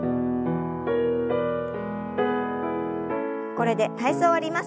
これで体操を終わります。